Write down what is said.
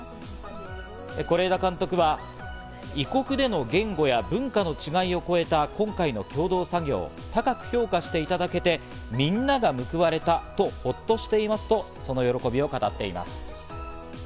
是枝監督は、異国での言語や文化の違いを超えた今回の共同作業を高く評価していただけて、みんなが報われたと、ホッとしていますとその喜びを語っています。